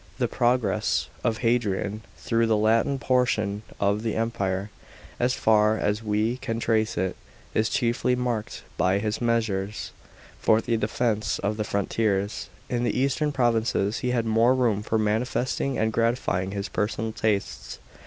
§ 15. The progress of Hadrian through the Latin portion of the Empire, as far as we can trace it, is chiefly marked by his measures for the defence of the frontiers; in the eastern provinces he had more room for manifesting and gratifying his personal tastes.